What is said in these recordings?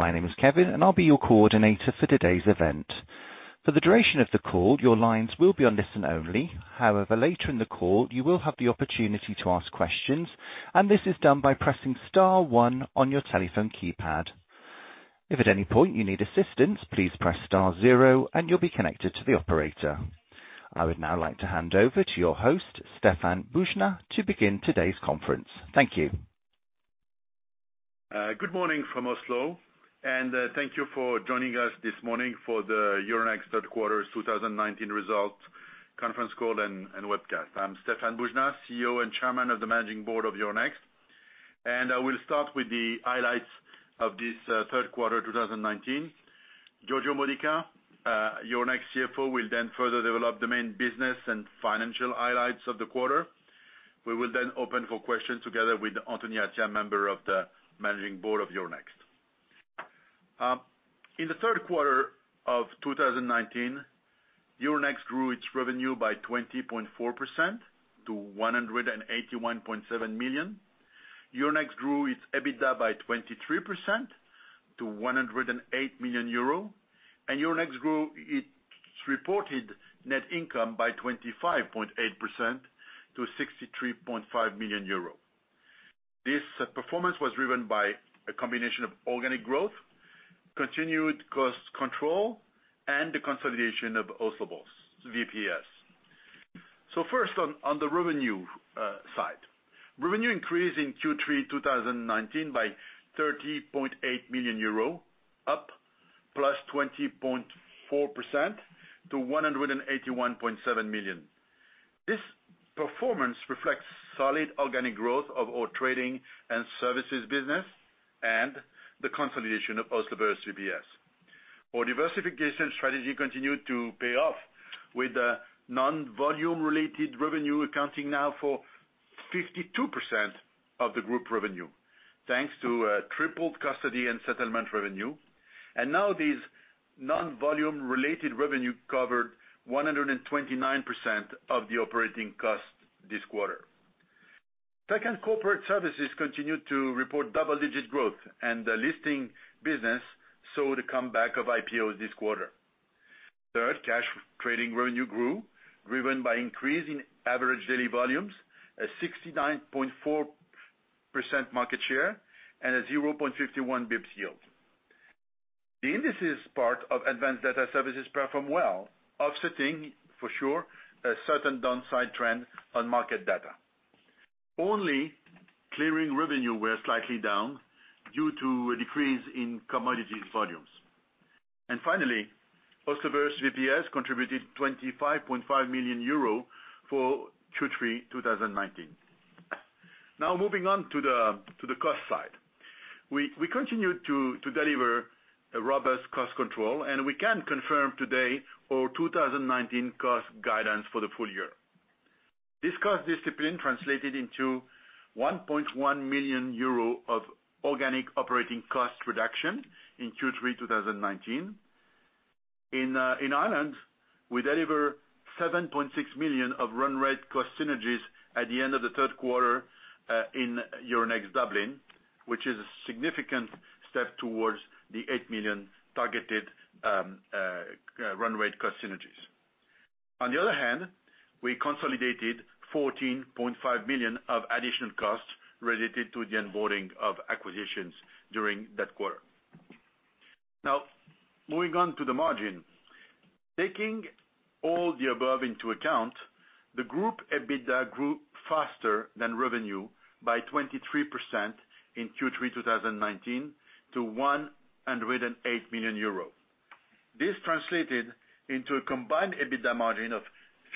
My name is Kevin, and I'll be your coordinator for today's event. For the duration of the call, your lines will be on listen only. However, later in the call, you will have the opportunity to ask questions, and this is done by pressing star one on your telephone keypad. If at any point you need assistance, please press star zero and you'll be connected to the operator. I would now like to hand over to your host, Stéphane Boujnah, to begin today's conference. Thank you. Good morning from Oslo. Thank you for joining us this morning for the Euronext Third Quarter 2019 Result conference call and webcast. I'm Stéphane Boujnah, CEO and Chairman of the Managing Board of Euronext. I will start with the highlights of this third quarter 2019. Giorgio Modica, Euronext CFO, will then further develop the main business and financial highlights of the quarter. We will then open for questions together with Anthony Attia, Member of the Managing Board of Euronext. In the third quarter of 2018, Euronext grew its revenue by 20.4% to 181.7 million. Euronext grew its EBITDA by 23% to 108 million euro. Euronext grew its reported net income by 25.8% to 63.5 million euro. This performance was driven by a combination of organic growth, continued cost control, and the consolidation of Oslo Børs VPS. First on the revenue side. Revenue increased in Q3 2019 by 30.8 million euro, up +20.4% to 181.7 million. This performance reflects solid organic growth of our trading and services business and the consolidation of Oslo Børs VPS. Our diversification strategy continued to pay off with the non-volume related revenue accounting now for 52% of the group revenue, thanks to tripled custody and settlement revenue. Now these non-volume related revenue covered 129% of the operating cost this quarter. Second corporate services continued to report double-digit growth and the listing business saw the comeback of IPO this quarter. Third, cash trading revenue grew, driven by increasing average daily volumes at 69.4% market share and a 0.51 basis points yield. The indices part of Advanced Data Services performed well, offsetting for sure a certain downside trend on market data. Only clearing revenue were slightly down due to a decrease in commodity volumes. Finally, Oslo Børs VPS contributed 25.5 million euro for Q3 2019. Now, moving on to the cost side. We continued to deliver a robust cost control, and we can confirm today our 2019 cost guidance for the full year. This cost discipline translated into 1.1 million euro of organic operating cost reduction in Q3 2019. In Ireland, we deliver 7.6 million of run rate cost synergies at the end of the third quarter in Euronext Dublin, which is a significant step towards the 8 million targeted run rate cost synergies. On the other hand, we consolidated 14.5 million of additional costs related to the onboarding of acquisitions during that quarter. Now, moving on to the margin. Taking all the above into account, the group EBITDA grew faster than revenue by 23% in Q3 2019 to 108 million euros. This translated into a combined EBITDA margin of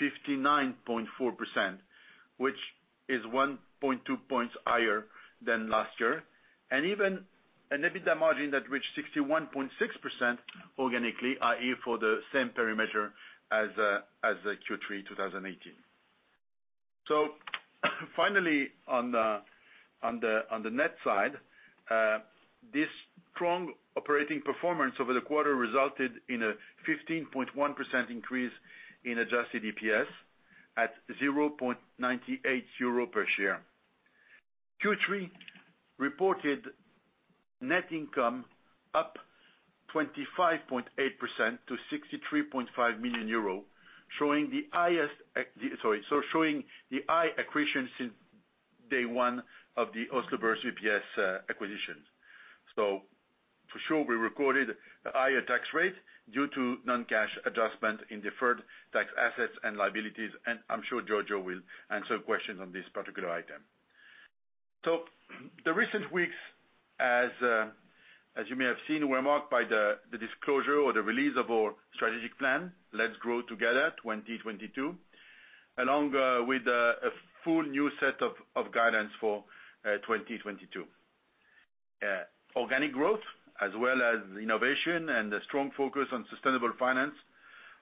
59.4%, which is 1.2 points higher than last year, and even an EBITDA margin that reached 61.6% organically, i.e., for the same perimeter as the Q3 2018. Finally, on the net side, this strong operating performance over the quarter resulted in a 15.1% increase in adjusted EPS at 0.98 euro per share. Q3 reported net income up 25.8% to 63.5 million euro, showing the high accretion since day one of the Oslo Børs VPS acquisition. For sure, we recorded a higher tax rate due to non-cash adjustment in deferred tax assets and liabilities, and I'm sure Giorgio Modica will answer questions on this particular item. The recent weeks, as you may have seen, were marked by the disclosure or the release of our strategic plan, Let's Grow Together 2022, along with a full new set of guidance for 2022. Organic growth, as well as innovation and a strong focus on sustainable finance,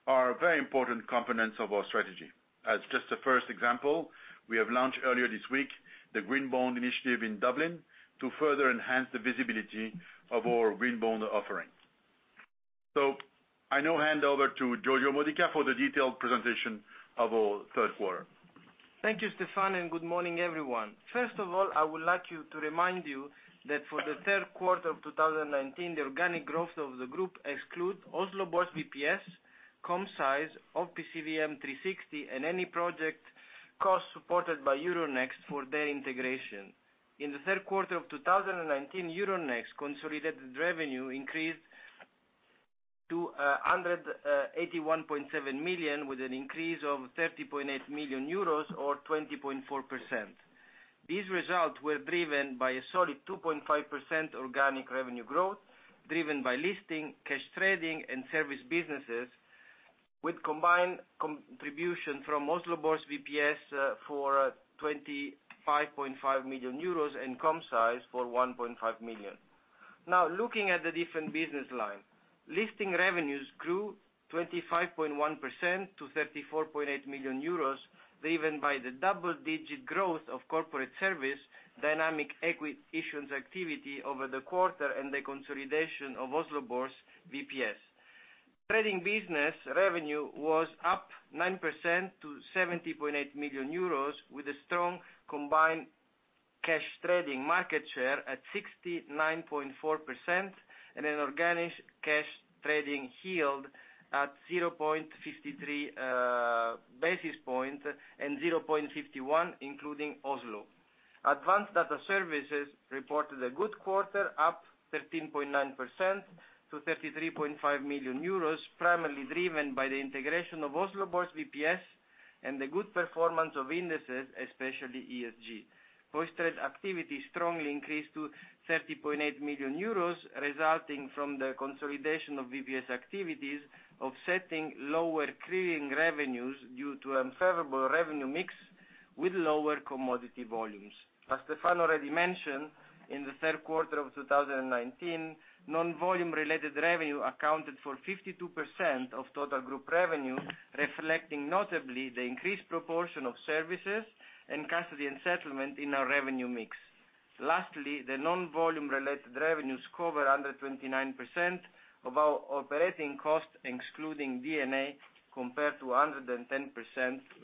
are very important components of our strategy. As just a first example, we have launched earlier this week the Green Bonds Initiative in Dublin to further enhance the visibility of our Green Bonds offerings. I now hand over to Giorgio Modica for the detailed presentation of our third quarter. Thank you, Stéphane Boujnah, and good morning, everyone. First of all, I would like to remind you that for the third quarter of 2019, the organic growth of the group exclude Oslo Børs VPS, Commcise and OPCVM360 and any project costs supported by Euronext for their integration. In the third quarter of 2019, Euronext consolidated revenue increased to 181.7 million, with an increase of 30.8 million euros or 20.4%. These results were driven by a solid 2.5% organic revenue growth, driven by listing, cash trading, and service businesses, with combined contribution from Oslo Børs VPS for 25.5 million euros and Commcise for 1.5 million. Now, looking at the different business line. Listing revenues grew 25.1% to 34.8 million euros, driven by the double digit growth of corporate service, dynamic equity issuance activity over the quarter, and the consolidation of Oslo Børs VPS. Trading business revenue was up 9% to 70.8 million euros, with a strong combined cash trading market share at 69.4% and an organic cash trading yield at 0.53 basis point and 0.51, including Oslo. Advanced data services reported a good quarter, up 13.9% to 33.5 million euros, primarily driven by the integration of Oslo Børs VPS and the good performance of indexes, especially ESG. Post Trade activity strongly increased to 30.8 million euros, resulting from the consolidation of VPS activities, offsetting lower clearing revenues due to unfavorable revenue mix with lower commodity volumes. As Stéphane Boujnah already mentioned, in the third quarter of 2019, non-volume related revenue accounted for 52% of total group revenue, reflecting notably the increased proportion of services and custody and settlement in our revenue mix. Lastly, the non-volume related revenues cover 129% of our operating cost, excluding D&A, compared to 110%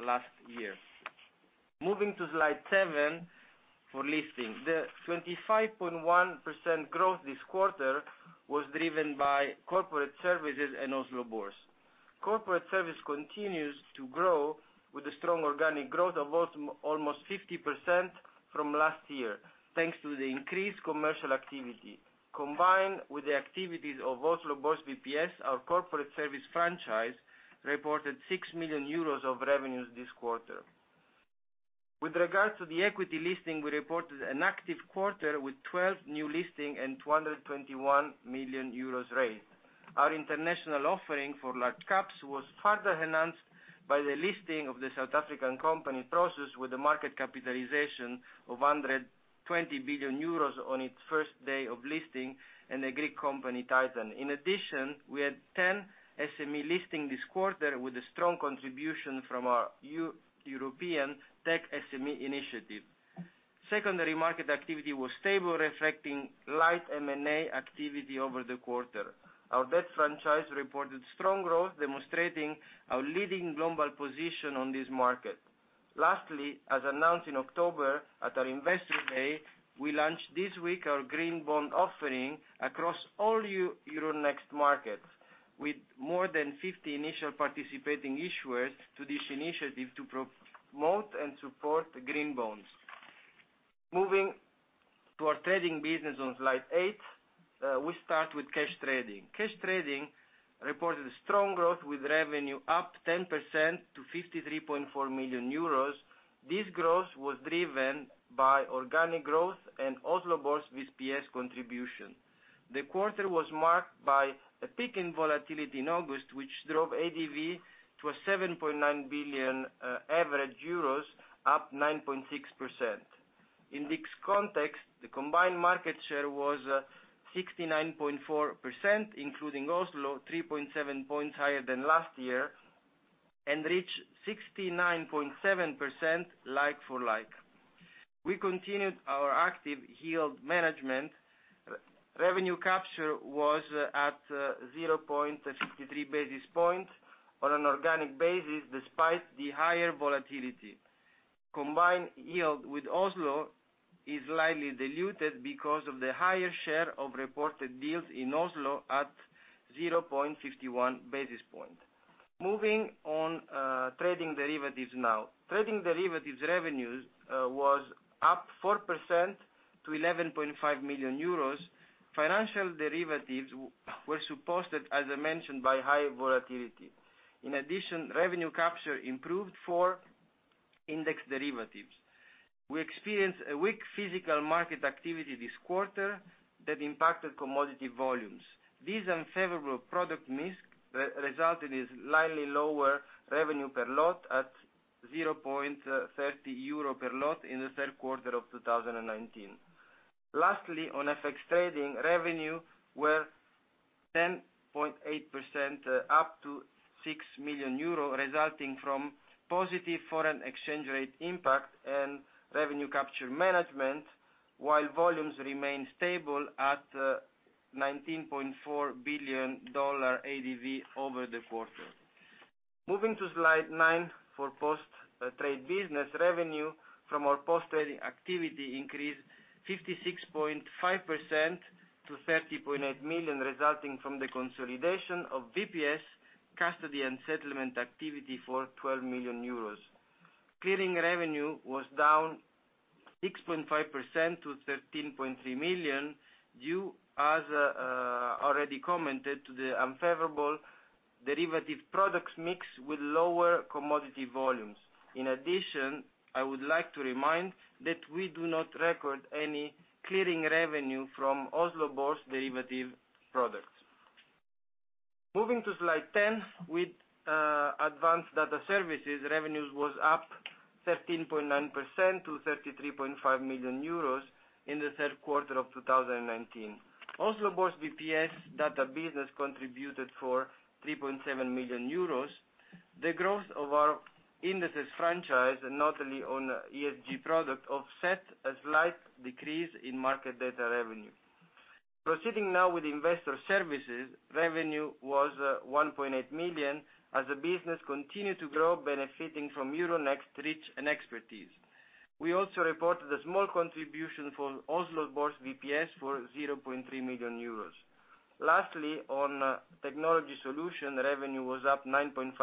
last year. Moving to slide seven, for listing. The 25.1% growth this quarter was driven by Corporate Services and Oslo Børs. Corporate Services continues to grow with a strong organic growth of almost 50% from last year, thanks to the increased commercial activity. Combined with the activities of Oslo Børs VPS, our Corporate Services franchise reported 6 million euros of revenues this quarter. With regard to the equity listing, we reported an active quarter with 12 new listing and 221 million euros raised. Our international offering for large caps was further enhanced by the listing of the South African company Prosus, with a market capitalization of 120 billion euros on its first day of listing and the Greek company, TITAN. In addition, we had 10 SME listing this quarter with a strong contribution from our European Tech SME initiative. Secondary market activity was stable, reflecting light M&A activity over the quarter. Our debt franchise reported strong growth, demonstrating our leading global position on this market. Lastly, as announced in October at our Investor Day, we launched this week our Green Bonds offering across all Euronext markets, with more than 50 initial participating issuers to this initiative to promote and support Green Bonds. Moving to our trading business on slide eight, we start with cash trading. Cash trading reported strong growth with revenue up 10% to 53.4 million euros. This growth was driven by organic growth and Oslo Børs VPS contribution. The quarter was marked by a peak in volatility in August, which drove ADV to a 7.9 billion euros average, up 9.6%. In this context, the combined market share was 69.4%, including Oslo, 3.7 points higher than last year, and reached 69.7% like for like. We continued our active yield management. Revenue capture was at 0.53 basis points on an organic basis, despite the higher volatility. Combined yield with Oslo is slightly diluted because of the higher share of reported deals in Oslo at 0.51 basis point. Moving on trading derivatives now. Trading derivatives revenues was up 4% to 11.5 million euros. Financial derivatives were supported, as I mentioned, by higher volatility. In addition, revenue capture improved for index derivatives. We experienced a weak physical market activity this quarter that impacted commodity volumes. This unfavorable product mix resulted in slightly lower revenue per lot at 0.30 euro per lot in the third quarter of 2019. Lastly, on FX trading, revenue were 10.8% up to 6 million euro, resulting from positive foreign exchange rate impact and revenue capture management. While volumes remain stable at $19.4 billion ADV over the quarter. Moving to slide nine for post-trade business, revenue from our post-trade activity increased 56.5% to 30.8 million, resulting from the consolidation of VPS custody and settlement activity for 12 million euros. Clearing revenue was down 6.5% to 13.3 million, due, as already commented, to the unfavorable derivative products mix with lower commodity volumes. In addition, I would like to remind that we do not record any clearing revenue from Oslo Børs derivative products. Moving to slide 10, with Advanced Data Services, revenues was up 13.9% to 33.5 million euros in the third quarter of 2019. Oslo Børs VPS data business contributed for 3.7 million euros. The growth of our indices franchise, notably on ESG product, offset a slight decrease in market data revenue. Proceeding now with Investor Services, revenue was 1.8 million, as the business continued to grow, benefiting from Euronext reach and expertise. We also reported a small contribution from Oslo Børs VPS for 0.3 million euros. Lastly, on Technology Solution, revenue was up 9.5%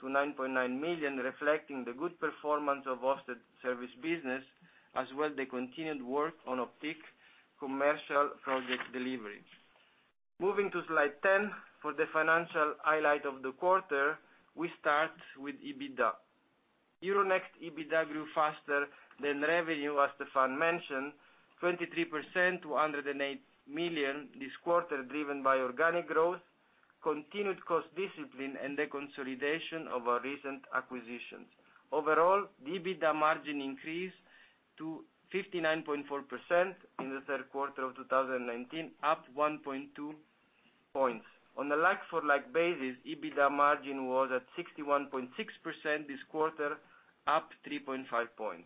to 9.9 million, reflecting the good performance of hosted service business, as well the continued work on Optiq commercial project delivery. Moving to slide 10, for the financial highlight of the quarter, we start with EBITDA. Euronext EBITDA grew faster than revenue, as Stéphane Boujnah mentioned, 23% to 108 million this quarter, driven by organic growth, continued cost discipline, and the consolidation of our recent acquisitions. Overall, the EBITDA margin increased to 59.4% in the third quarter of 2019, up 1.2 points. On a like-for-like basis, EBITDA margin was at 61.6% this quarter, up 3.5 points.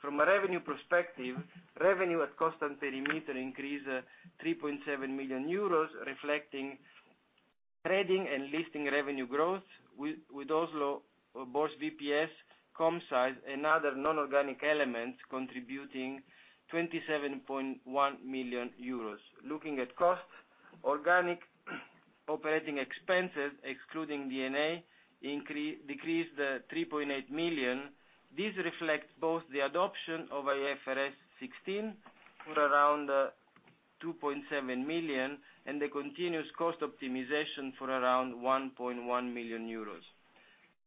From a revenue perspective, revenue at constant perimeter increased 3.7 million euros, reflecting trading and listing revenue growth with Oslo Børs VPS, Commcise and other non-organic elements contributing 27.1 million euros. Looking at costs, organic operating expenses, excluding D&A, decreased 3.8 million. This reflects both the adoption of IFRS 16 for around 2.7 million and the continuous cost optimization for around 1.1 million euros.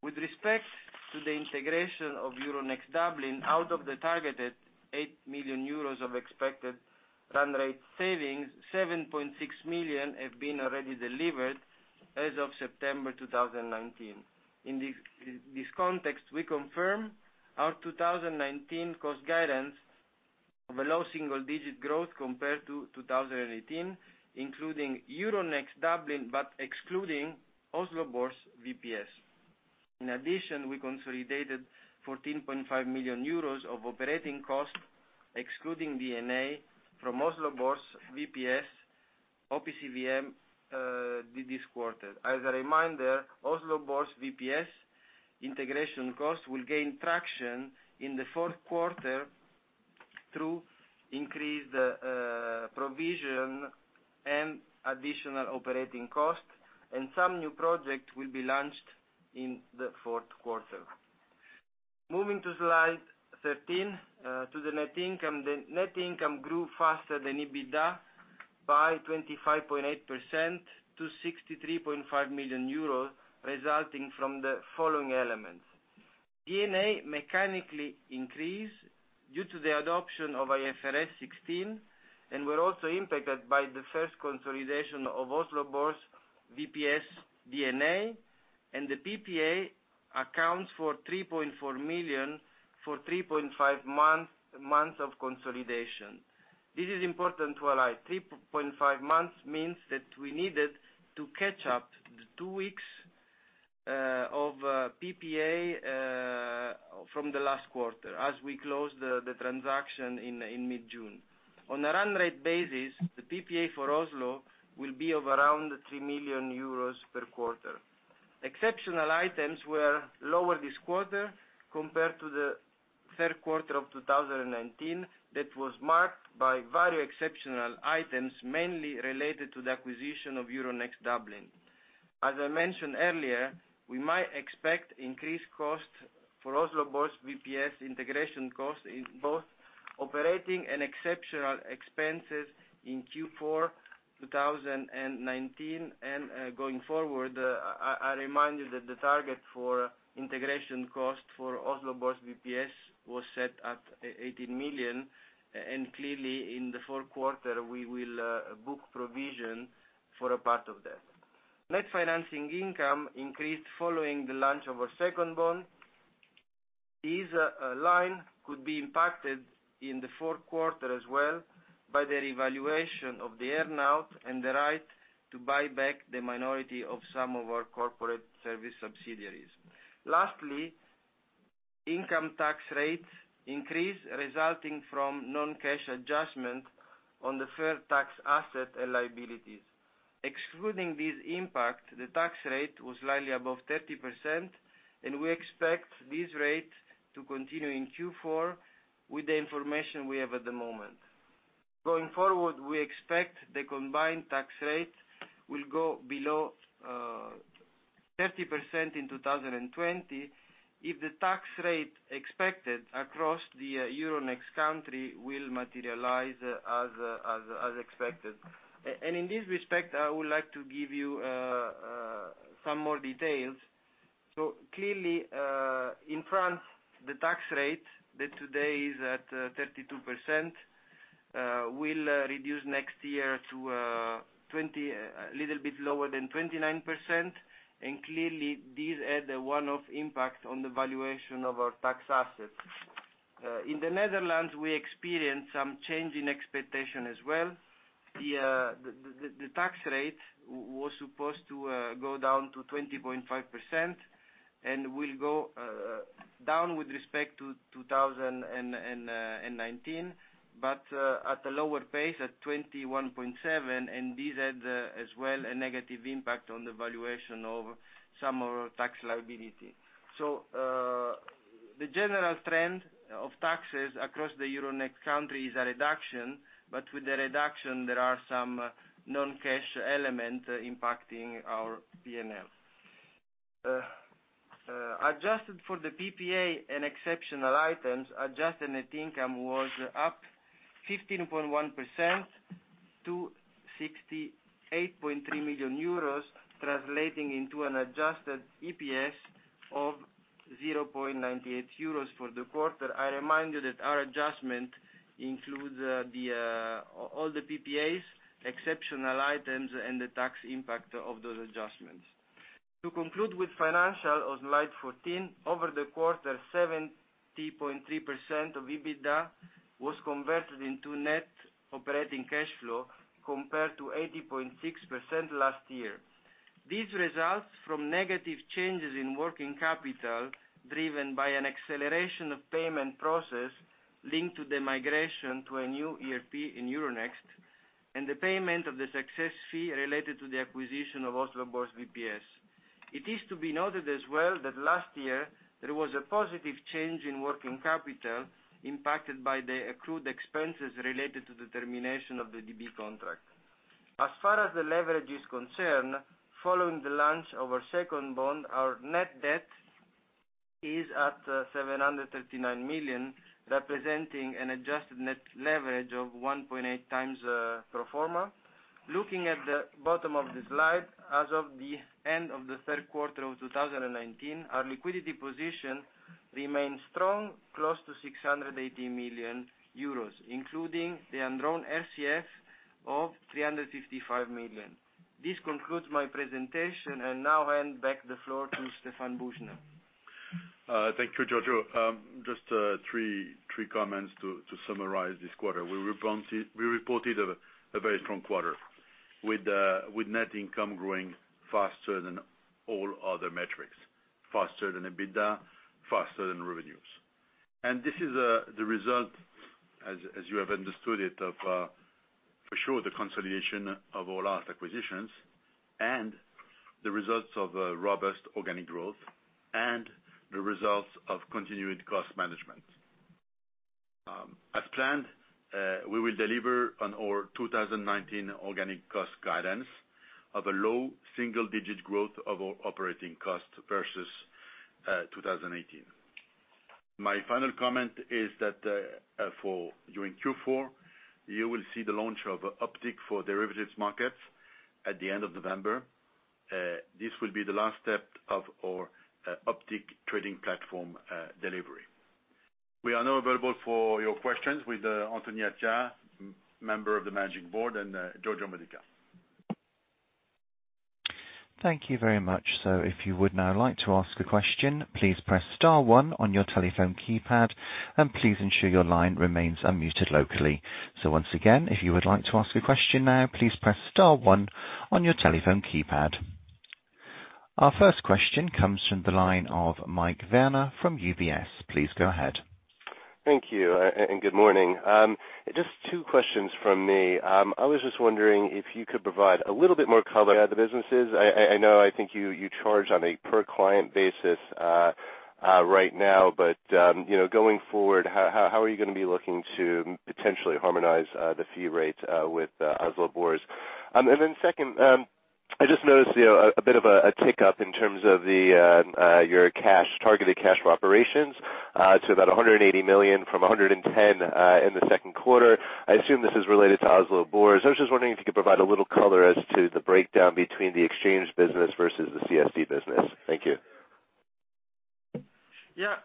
With respect to the integration of Euronext Dublin, out of the targeted 8 million euros of expected run rate savings, 7.6 million have been already delivered as of September 2019. In this context, we confirm our 2019 cost guidance of a low single-digit growth compared to 2018, including Euronext Dublin, but excluding Oslo Børs VPS. In addition, we consolidated 14.5 million euros of operating costs, excluding D&A, from Oslo Børs VPS, OPCVM360 this quarter. As a reminder, Oslo Børs VPS integration costs will gain traction in the fourth quarter through increased provision and additional operating costs, and some new project will be launched in the fourth quarter. Moving to slide 13, to the net income. The net income grew faster than EBITDA by 25.8% to 63.5 million euros, resulting from the following elements. D&A mechanically increased due to the adoption of IFRS 16 and were also impacted by the first consolidation of Oslo Børs VPS D&A, and the PPA accounts for 3.4 million for 3.5 months of consolidation. This is important to highlight. 3.5 months means that we needed to catch up the two weeks of PPA from the last quarter as we closed the transaction in mid-June. On a run rate basis, the PPA for Oslo will be of around 3 million euros per quarter. Exceptional items were lower this quarter compared to the third quarter of 2019 that was marked by very exceptional items, mainly related to the acquisition of Euronext Dublin. As I mentioned earlier, we might expect increased cost for Oslo Børs VPS integration cost in both operating and exceptional expenses in Q4 2019. Going forward, I remind you that the target for integration cost for Oslo Børs VPS was set at 18 million, and clearly, in the fourth quarter, we will book provision for a part of that. Net financing income increased following the launch of our second bond. This line could be impacted in the fourth quarter as well by the revaluation of the earn-out and the right to buy back the minority of some of our corporate service subsidiaries. Lastly, income tax rate increased, resulting from non-cash adjustment on the fair tax asset and liabilities. Excluding this impact, the tax rate was slightly above 30%, and we expect this rate to continue in Q4 with the information we have at the moment. Going forward, we expect the combined tax rate will go below 30% in 2020 if the tax rate expected across the Euronext country will materialize as expected. In this respect, I would like to give you some more details. Clearly, in France, the tax rate that today is at 32% will reduce next year to a little bit lower than 29%, and clearly, this had a one-off impact on the valuation of our tax assets. In the Netherlands, we experienced some change in expectation as well. The tax rate was supposed to go down to 20.5% and will go down with respect to 2019, but at a lower pace at 21.7%, and this had, as well, a negative impact on the valuation of some of our tax liability. The general trend of taxes across the Euronext country is a reduction, but with the reduction, there are some non-cash element impacting our P&L. Adjusted for the PPA and exceptional items, adjusted net income was up 15.1% to 68.3 million euros, translating into an adjusted EPS of 0.98 euros for the quarter. I remind you that our adjustment includes all the PPAs, exceptional items, and the tax impact of those adjustments. To conclude with financial on slide 14, over the quarter, 70.3% of EBITDA was converted into net operating cash flow, compared to 80.6% last year. These results from negative changes in working capital, driven by an acceleration of payment process linked to the migration to a new ERP in Euronext and the payment of the success fee related to the acquisition of Oslo Børs VPS. It is to be noted as well that last year there was a positive change in working capital impacted by the accrued expenses related to the termination of the DB contract. As far as the leverage is concerned, following the launch of our second bond, our net debt is at 739 million, representing an adjusted net leverage of 1.8 times pro forma. Looking at the bottom of the slide, as of the end of the third quarter of 2019, our liquidity position remains strong, close to 680 million euros, including the undrawn RCF of 355 million. This concludes my presentation. Now I hand back the floor to Stéphane Boujnah. Thank you, Giorgio Modica. Just three comments to summarize this quarter. We reported a very strong quarter with net income growing faster than all other metrics, faster than EBITDA, faster than revenues. This is the result, as you have understood it, of for sure the consolidation of all our acquisitions and the results of robust organic growth and the results of continued cost management. As planned, we will deliver on our 2019 organic cost guidance of a low single-digit growth of our operating cost versus 2018. My final comment is that for during Q4, you will see the launch of Optiq for derivatives markets at the end of November. This will be the last step of our Optiq trading platform delivery. We are now available for your questions with Anthony Attia, member of the Managing Board, and Giorgio Modica. Thank you very much. If you would now like to ask a question, please press star one on your telephone keypad, and please ensure your line remains unmuted locally. Once again, if you would like to ask a question now, please press star one on your telephone keypad. Our first question comes from the line of Mike Werner from UBS. Please go ahead. Thank you. Good morning. Just two questions from me. I was just wondering if you could provide a little bit more color on the businesses. I know I think you charge on a per-client basis right now. Going forward, how are you going to be looking to potentially harmonize the fee rates with Oslo Børs? Second, I just noticed a bit of a tick up in terms of your targeted cash from operations to about 180 million from 110 in the second quarter. I assume this is related to Oslo Børs. I was just wondering if you could provide a little color as to the breakdown between the exchange business versus the CSD business. Thank you. Yeah.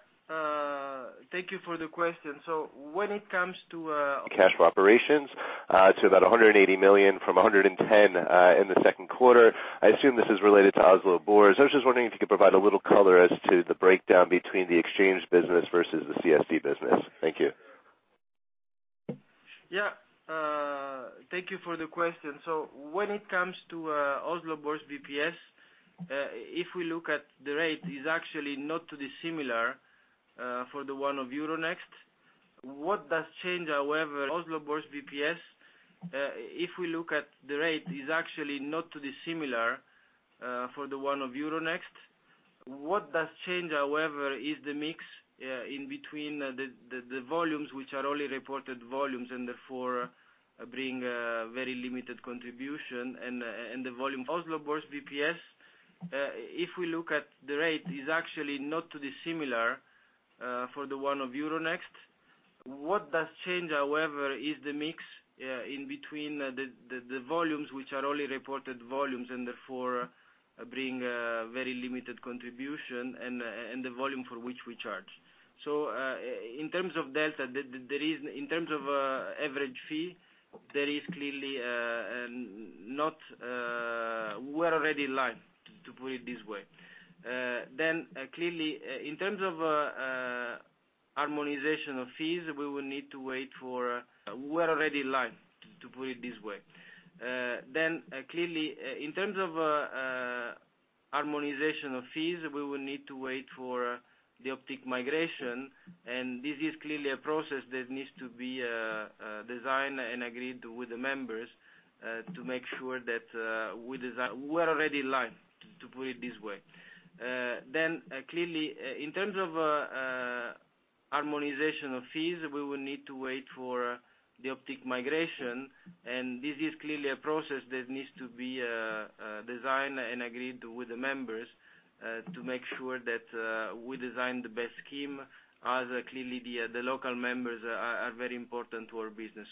Thank you for the question. When it comes to Oslo Børs VPS, if we look at the rate, is actually not too dissimilar for the one of Euronext. What does change, however, is the mix in between the volumes, which are only reported volumes, and therefore bring very limited contribution, and the volume for which we charge. In terms of average fee, we're already in line, to put it this way. Clearly, in terms of harmonization of fees, we will need to wait for the Optiq migration, and this is clearly a process that needs to be designed and agreed with the members to make sure that we design the best scheme, as clearly the local members are very important to our business.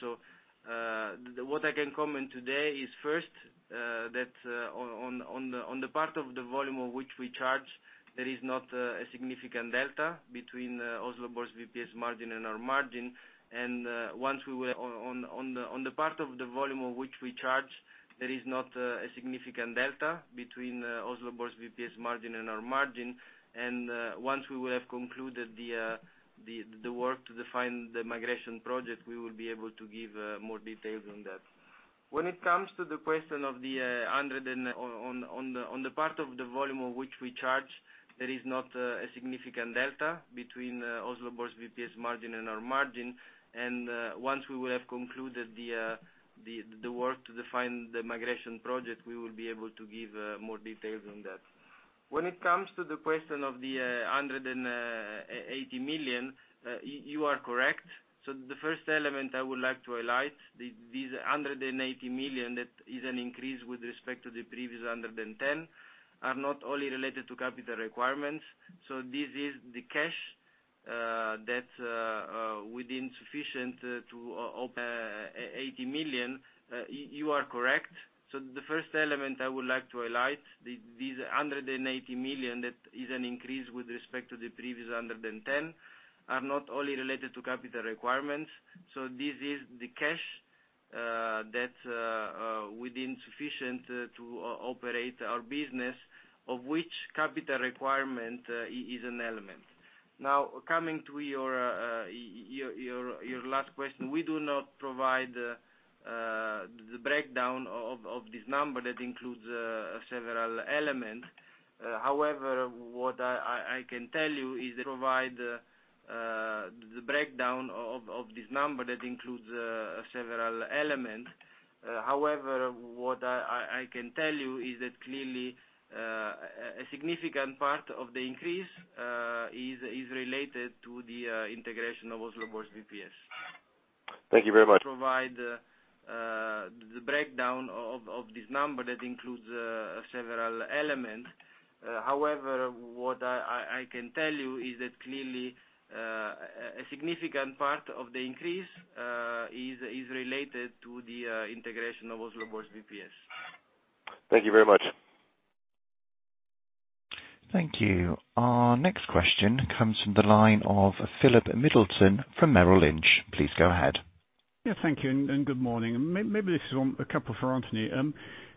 What I can comment today is first, that on the part of the volume of which we charge, there is not a significant delta between Oslo Børs VPS margin and our margin. On the part of the volume of which we charge, there is not a significant delta between Oslo Børs VPS margin and our margin. Once we will have concluded the work to define the migration project, we will be able to give more details on that. When it comes to the question of the 180 million, you are correct. The first element I would like to highlight, this 180 million, that is an increase with respect to the previous 110 million, are not only related to capital requirements. This is the cash that we deem sufficient to operate our business, of which capital requirement is an element. Now, coming to your last question, we do not provide the breakdown of this number that includes several elements. However, what I can tell you is that clearly a significant part of the increase is related to the integration of Oslo Børs VPS. Thank you very much. Thank you. Our next question comes from the line of Philip Middleton from Merrill Lynch. Please go ahead.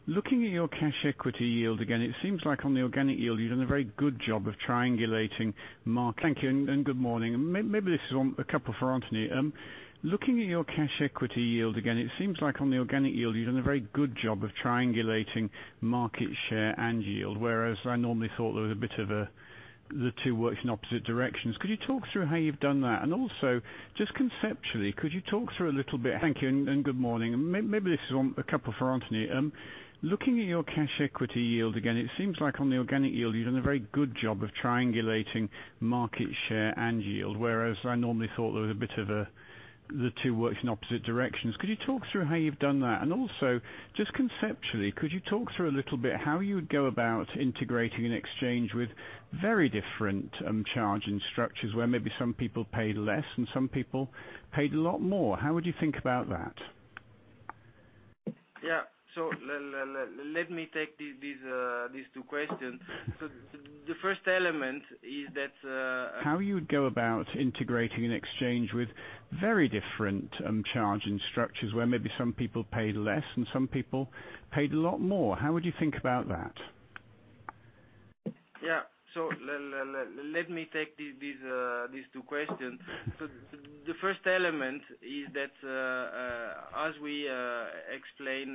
Thank you, and good morning. Maybe this is a couple for Anthony. Looking at your cash equity yield again, it seems like on the organic yield, you've done a very good job of triangulating market share and yield, whereas I normally thought the two worked in opposite directions. Could you talk through how you've done that? Also, just conceptually, could you talk through a little bit how you would go about integrating an exchange with very different charging structures, where maybe some people paid less and some people paid a lot more. How would you think about that? Let me take these two questions. The first element is that, as we explained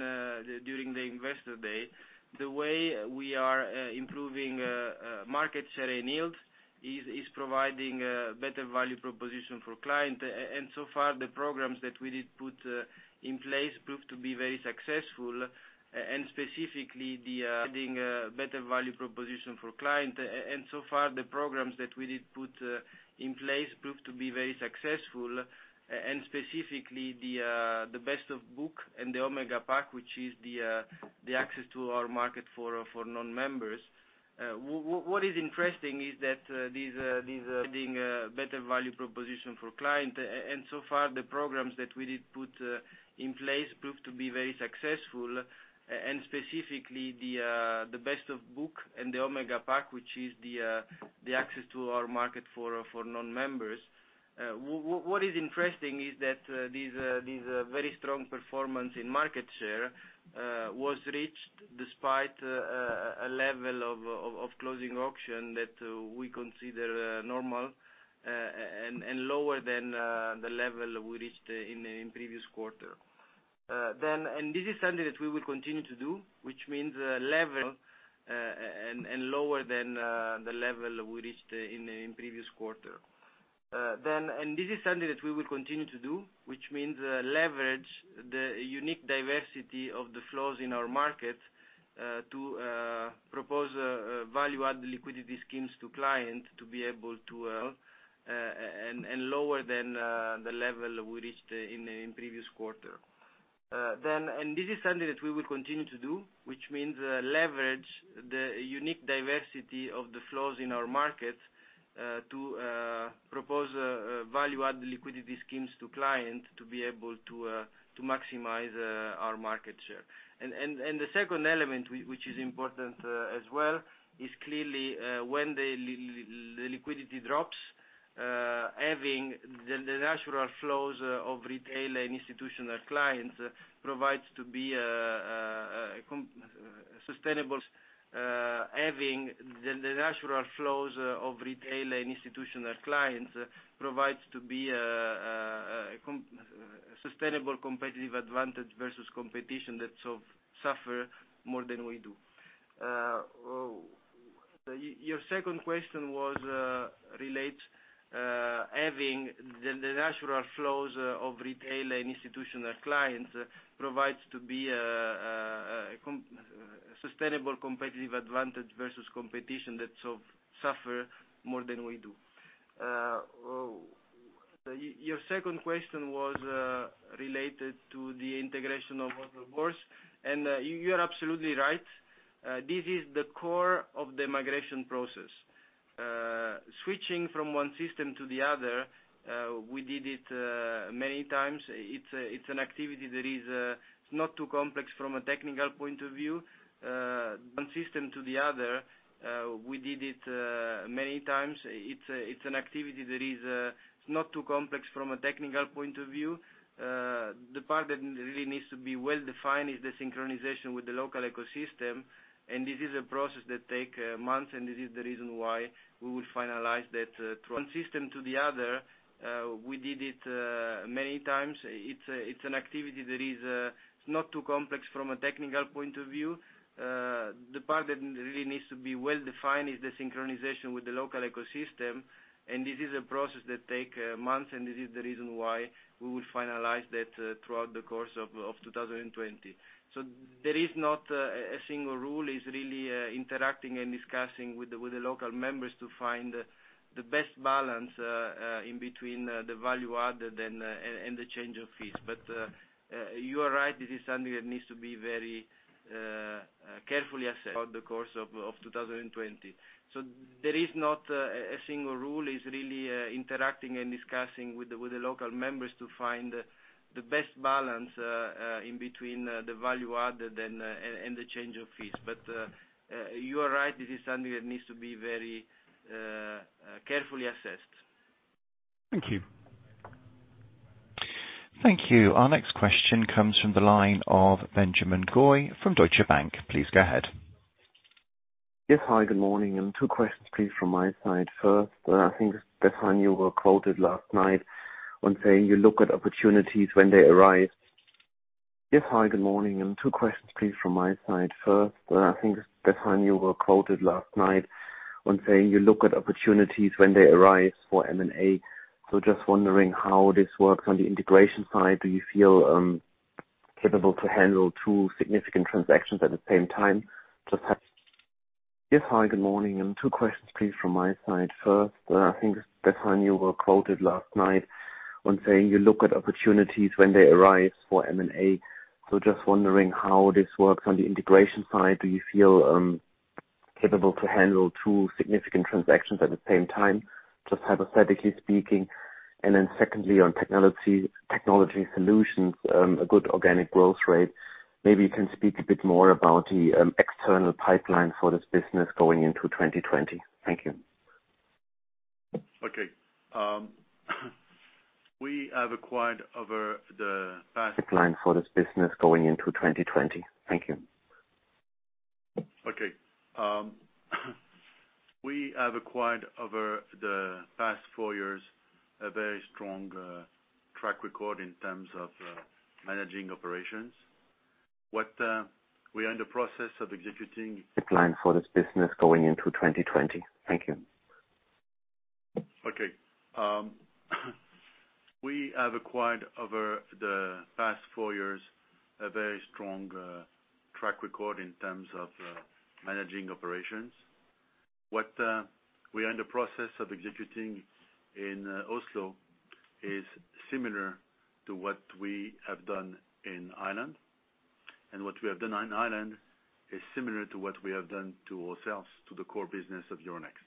during the investor day, the way we are improving market share and yield is providing better value proposition for client. So far, the programs that we did put in place proved to be very successful. Specifically, the Best of Book and the Omega Pack, which is the access to our market for non-members. What is interesting is that this very strong performance in market share was reached despite a level of closing auction that we consider normal and lower than the level we reached in previous quarter. This is something that we will continue to do, which means leverage the unique diversity of the flows in our market to propose value-add liquidity schemes to client to be able to maximize our market share. The second element, which is important as well, is clearly when the liquidity drops, having the natural flows of retail and institutional clients provides to be a sustainable competitive advantage versus competition that suffer more than we do. Your second question was related to the integration of Oslo Børs. You are absolutely right. This is the core of the migration process. Switching from one system to the other, we did it many times. It's an activity that is not too complex from a technical point of view. The part that really needs to be well-defined is the synchronization with the local ecosystem. This is a process that take months, and this is the reason why we will finalize that throughout the course of 2020. There is not a single rule. It's really interacting and discussing with the local members to find the best balance in between the value-add and the change of fees. You are right, this is something that needs to be very carefully assessed. Thank you. Thank you. Our next question comes from the line of Benjamin Goy from Deutsche Bank. Please go ahead. Yes. Hi, good morning, and two questions, please, from my side. First, I think, Stéphane Boujnah, you were quoted last night on saying you look at opportunities when they arise for M&A. Just wondering how this works on the integration side. Do you feel capable to handle two significant transactions at the same time? Just hypothetically speaking. Secondly, on technology solutions, a good organic growth rate. Maybe you can speak a bit more about the external pipeline for this business going into 2020. Thank you. Okay. We have acquired over the past four years, a very strong track record in terms of managing operations. What we are in the process of executing in Oslo is similar to what we have done in Ireland, and what we have done in Ireland is similar to what we have done to ourselves, to the core business of Euronext.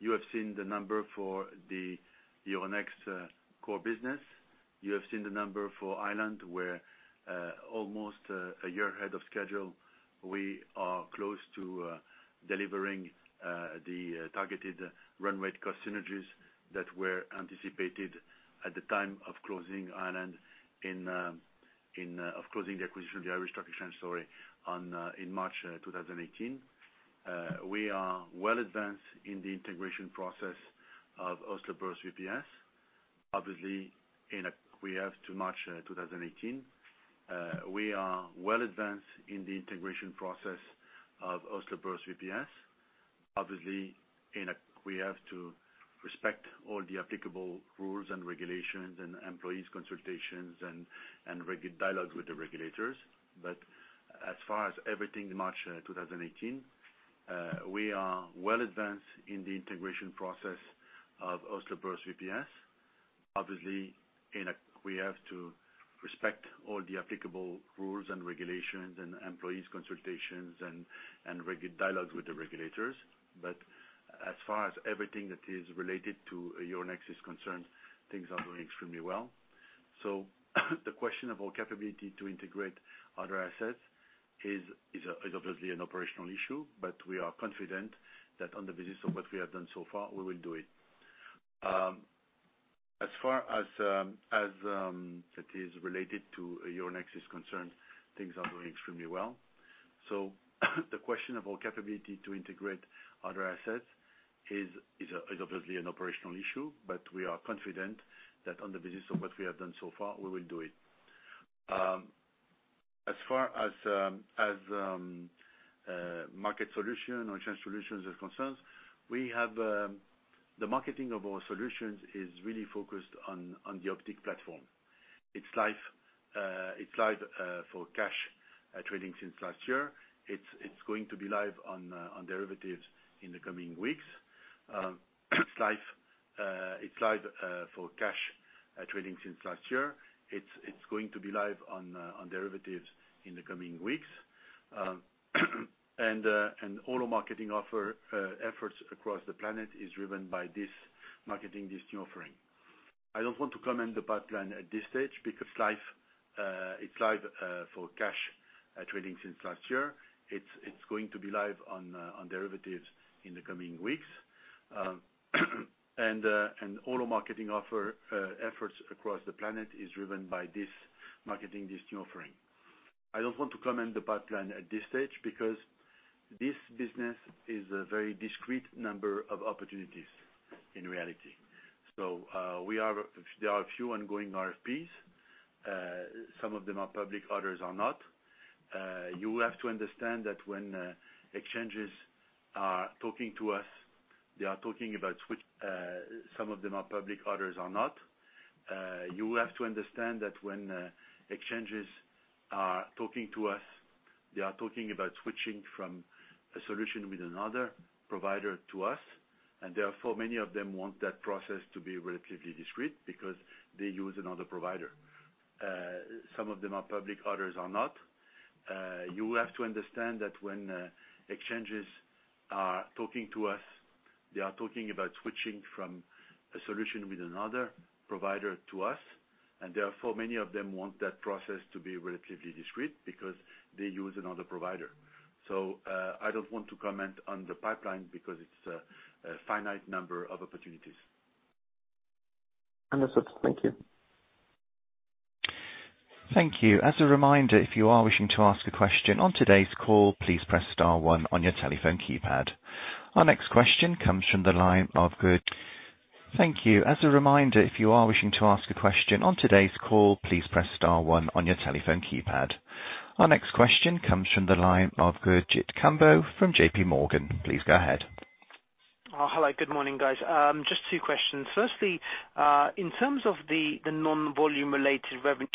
You have seen the number for Ireland, where almost a year ahead of schedule, we are close to delivering the targeted run rate cost synergies that were anticipated at the time of closing the acquisition of the Irish Stock Exchange in March 2018. We are well advanced in the integration process of Oslo Børs VPS. Obviously, we have to respect all the applicable rules and regulations and employees consultations and dialogue with the regulators. As far as everything that is related to Euronext is concerned, things are doing extremely well. The question of our capability to integrate other assets is obviously an operational issue, but we are confident that on the basis of what we have done so far, we will do it. As far as market solution or change solutions are concerned, the marketing of our solutions is really focused on the Optiq platform. It's live for cash trading since last year. It's going to be live on derivatives in the coming weeks. All our marketing efforts across the planet is driven by this marketing, this new offering. I don't want to comment the pipeline at this stage because this business is a very discrete number of opportunities in reality. There are a few ongoing RFPs. Some of them are public, others are not. You have to understand that when exchanges are talking to us, they are talking about switching from a solution with another provider to us. Therefore, many of them want that process to be relatively discreet because they use another provider. I don't want to comment on the pipeline because it's a finite number of opportunities. Understood. Thank you. Thank you. As a reminder, if you are wishing to ask a question on today's call, please press star one on your telephone keypad. Our next question comes from the line of Gurjit Kambo from JPMorgan. Please go ahead. Hello. Good morning, guys. Just two questions. Firstly, in terms of the non-volume related revenue.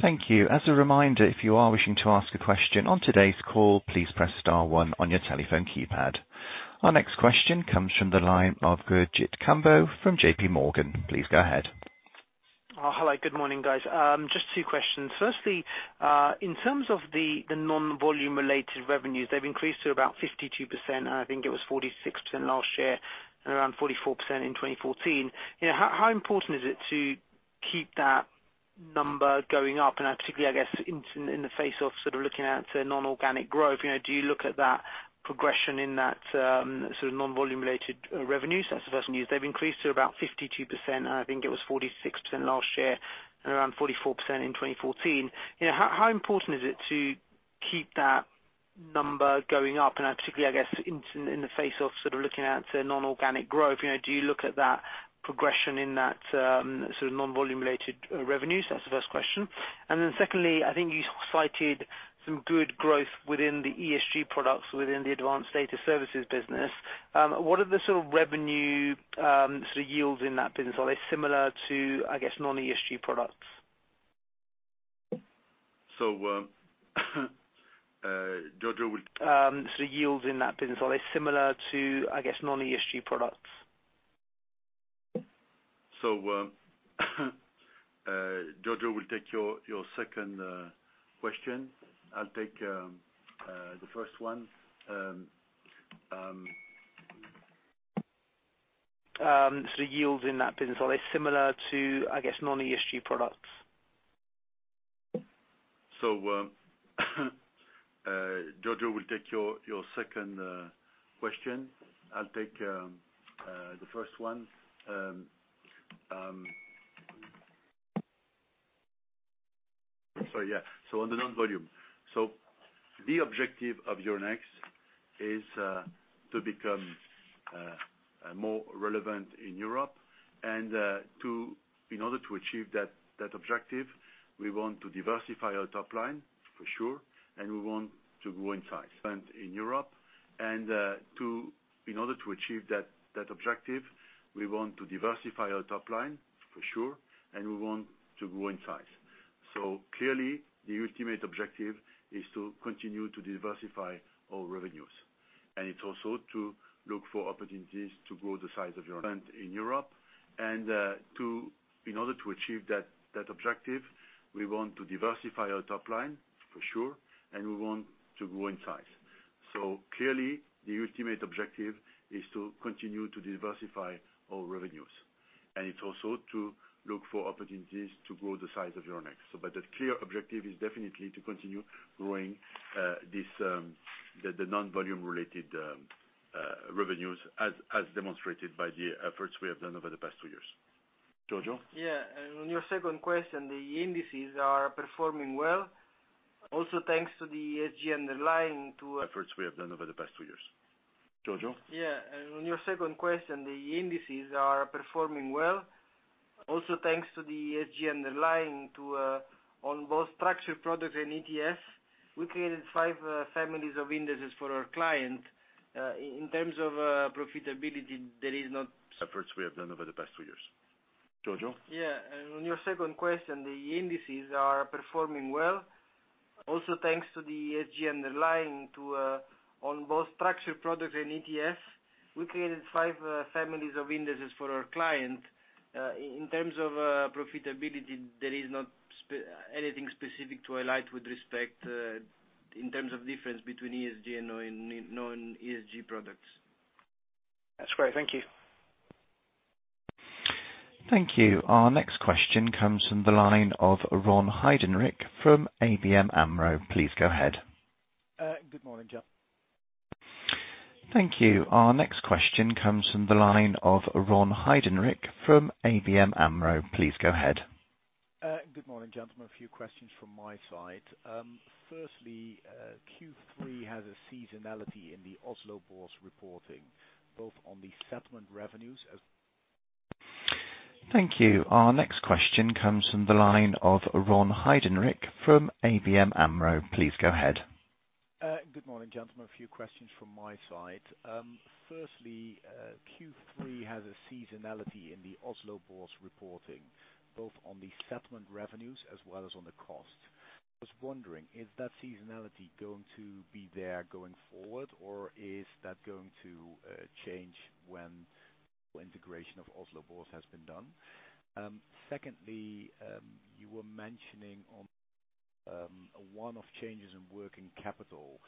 Thank you. As a reminder, if you are wishing to ask a question on today's call, please press star one on your telephone keypad. Our next question comes from the line of Gurjit Kambo from JPMorgan. Please go ahead. Hello. Good morning, guys. Just two questions. Firstly, in terms of the non-volume related revenues, they've increased to about 52%. I think it was 46% last year and around 44% in 2014. How important is it to keep that number going up? Particularly, I guess, in the face of looking out to non-organic growth, do you look at that progression in that non-volume related revenues? That's the first question. Secondly, I think you cited some good growth within the ESG products within the advanced data services business. What are the sort of revenue yields in that business? Are they similar to, I guess, non-ESG products? Giorgio Modica will take your second question. I will take the first one. On the non-volume. The objective of Euronext is to become more relevant in Europe and in order to achieve that objective, we want to diversify our top line for sure, and we want to grow in size. Clearly the ultimate objective is to continue to diversify our revenues, and it's also to look for opportunities to grow the size of Euronext. The clear objective is definitely to continue growing the non-volume related revenues, as demonstrated by the efforts we have done over the past two years. Giorgio Modica? Yeah. On your second question, the indices are performing well. Thanks to the ESG underlying to on both structured products and ETFs, we created five families of indices for our clients. In terms of profitability, there is not anything specific to highlight with respect in terms of difference between ESG and non-ESG products. That's great. Thank you. Thank you. Our next question comes from the line of Ron Heydenrijk from ABN AMRO. Please go ahead. Good morning, gentlemen. A few questions from my side. Firstly, Q3 has a seasonality in the Oslo Børs reporting, both on the settlement revenues as well as on the cost. I was wondering, is that seasonality going to be there going forward, or is that going to change when full integration of Oslo Børs has been done? Secondly, you were mentioning on one of changes in working capital,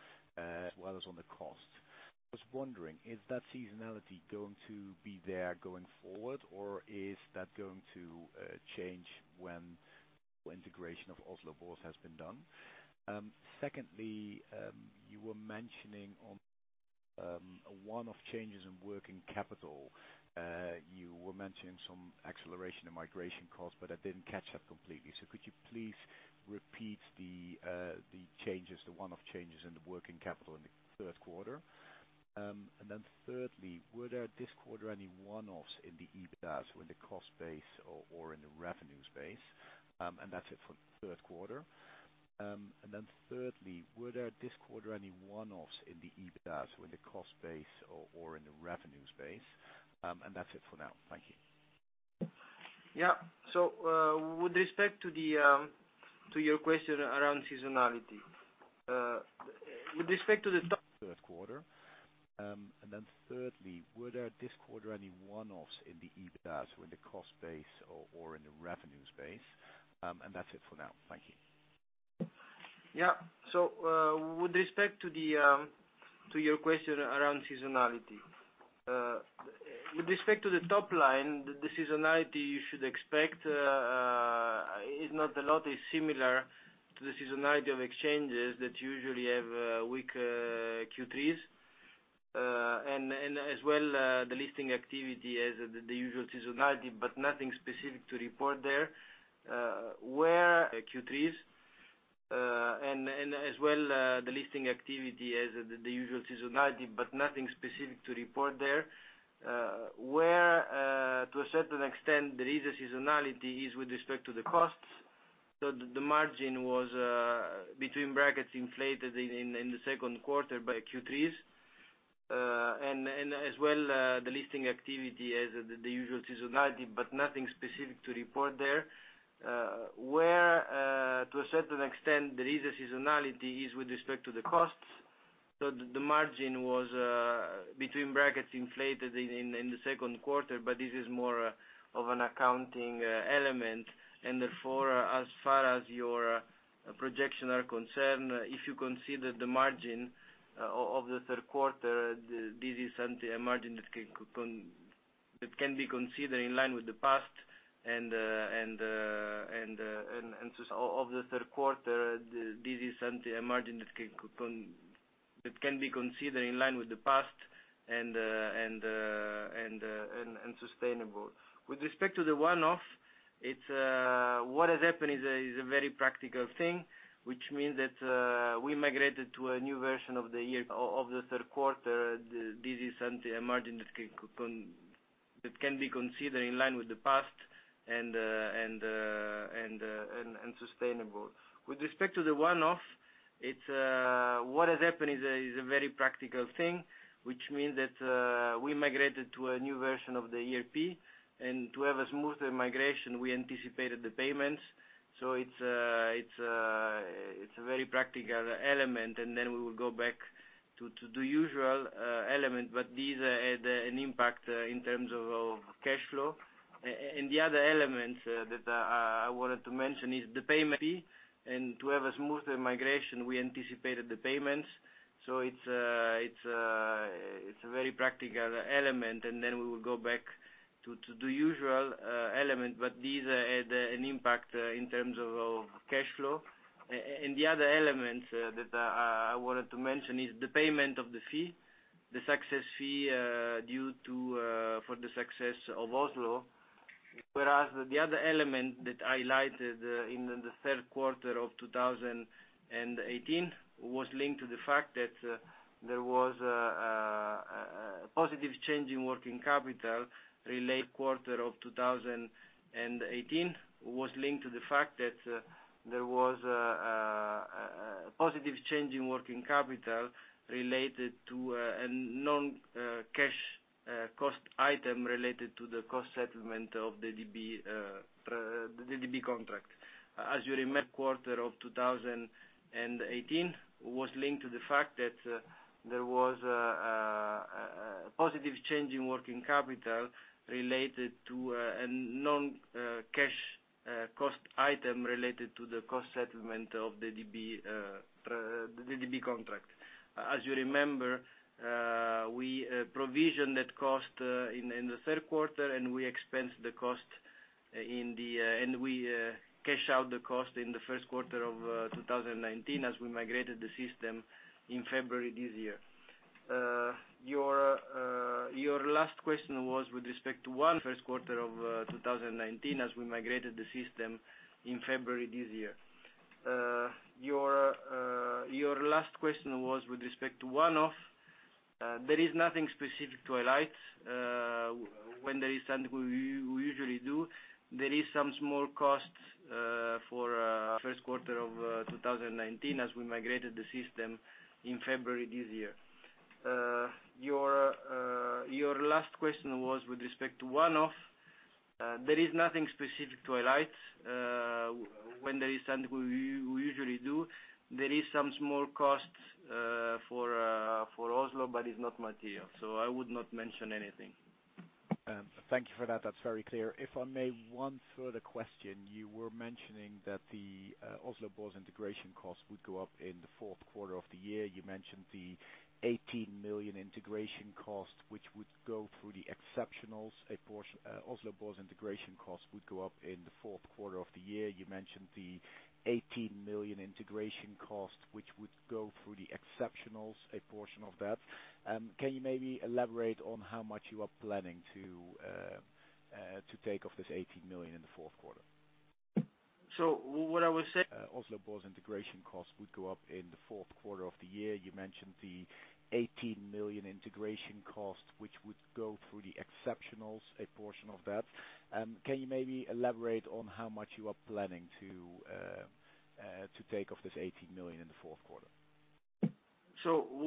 you were mentioning some acceleration and migration costs, but I didn't catch that completely. Could you please repeat the one-off changes in the working capital in the third quarter? Thirdly, were there this quarter any one-offs in the EBITDA with the cost base or in the revenue space? That's it for now. Thank you. Yeah. With respect to your question around seasonality. With respect to the top line, the seasonality you should expect is not a lot, is similar to the seasonality of exchanges that usually have weak Q3s. As well, the listing activity has the usual seasonality, but nothing specific to report there. Where to a certain extent, there is a seasonality is with respect to the costs. The margin was between brackets inflated in the second quarter, but this is more of an accounting element. Therefore, as far as your projections are concerned, if you consider the margin of the third quarter, this is a margin that can be considered in line with the past and sustainable. With respect to the one-off, what has happened is a very practical thing, which means that we migrated to a new version of the ERP. To have a smoother migration, we anticipated the payments. It's a very practical element, then we will go back to the usual element. This had an impact in terms of cash flow. The other element that I wanted to mention is the payment of the fee, the success fee for the success of Oslo. Whereas the other element that I highlighted in the third quarter of 2018, was linked to the fact that there was a positive change in working capital related to a non-cash cost item related to the cost settlement of the DB contract. As you remember, we provisioned that cost in the third quarter, and we expensed the cost, and we cash out the cost in the first quarter of 2019 as we migrated the system in February this year. Your last question was with respect to one-off. There is nothing specific to highlight. When there is something, we usually do. There is some small cost for Oslo, but it's not material. I would not mention anything. Thank you for that. That is very clear. If I may, one further question. You were mentioning that the Oslo Børs integration cost would go up in the fourth quarter of the year. You mentioned the 18 million integration cost, which would go through the exceptionals, a portion of that. Can you maybe elaborate on how much you are planning to take of this 18 million in the fourth quarter?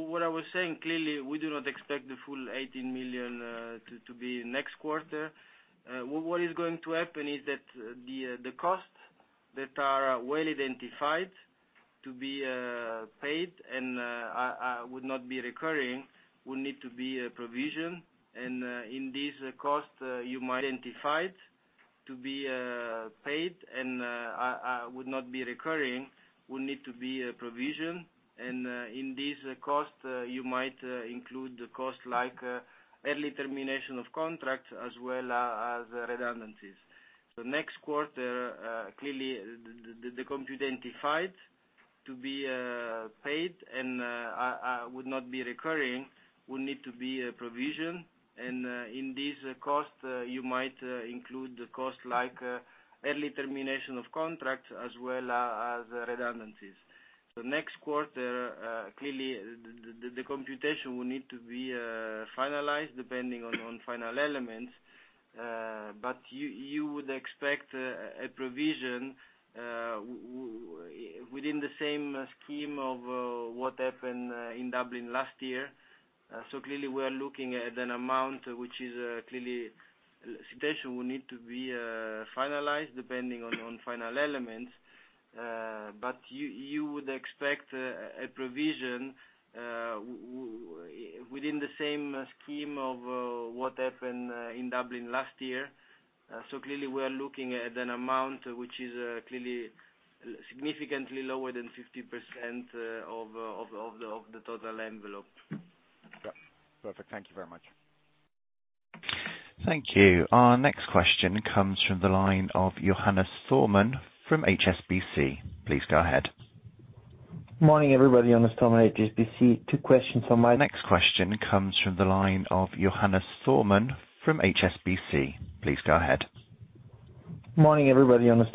What I was saying, clearly, we do not expect the full 18 million to be next quarter. What is going to happen is that the costs that are well-identified to be paid and would not be recurring, will need to be a provision. In this cost, you might include the cost like early termination of contracts as well as redundancies. Next quarter, clearly, the computation will need to be finalized depending on final elements, but you would expect a provision within the same scheme of what happened in Dublin last year. Clearly, we are looking at an amount which is clearly significantly lower than 50% of the total envelope. Yeah. Perfect. Thank you very much. Thank you. Our next question comes from the line of Johannes Thormann from HSBC. Please go ahead. Morning, everybody. Johannes